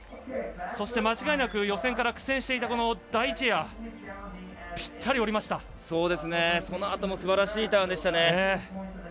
そして、間違いなく予選から苦戦していたそのあともすばらしいターンでしたね。